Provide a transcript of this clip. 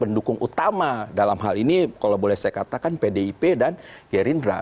pendukung utama dalam hal ini kalau boleh saya katakan pdip dan gerindra